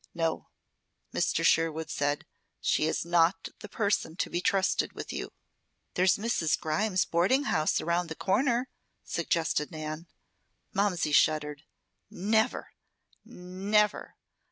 "No," Mr. Sherwood said. "She is not the person to be trusted with you." "There's Mrs. Grimes' boarding house around the corner?" suggested Nan. Momsey shuddered. "Never! Never!